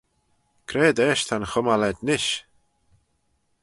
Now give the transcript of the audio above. C'raad eisht ta'n chummal ayd nish?